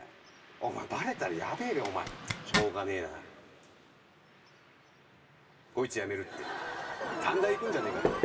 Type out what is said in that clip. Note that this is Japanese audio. お前バレたらやべえべお前しょうがねえなこいつやめるって短大行くんじゃねえかって？